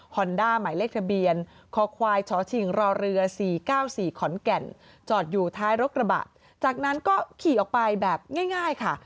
อนด้าหมายเลขทะเบียนคอควายชชิงรอเรือ๔๙๔ขอนแก่นจอดอยู่ท้ายรถกระบะจากนั้นก็ขี่ออกไปแบบง่ายค่ะ